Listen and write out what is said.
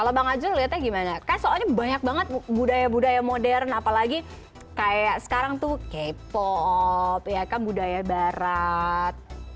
bapak ngajul liatnya gimana kan soalnya banyak banget budaya budaya modern apalagi kayak sekarang tuh k pop ya kan budaya barat